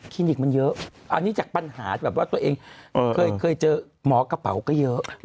นิกมันเยอะอันนี้จากปัญหาแบบว่าตัวเองเคยเจอหมอกระเป๋าก็เยอะ